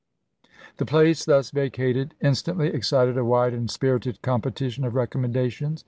The place thus vacated instantly excited a wide and spirited competition of recommendations.